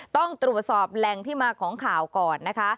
ต้องตรวจสอบแหล่งที่มาของข่าวก่อนนะคะ